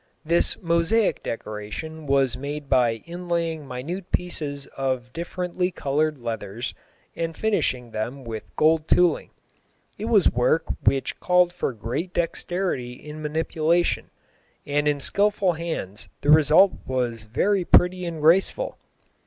This mosaic decoration was made by inlaying minute pieces of differently coloured leathers, and finishing them with gold tooling. It was work which called for great dexterity in manipulation, and in skilful hands the result was very pretty and graceful.